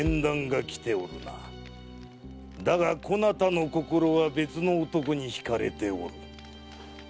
だがこなたの心は別の男にひかれておる。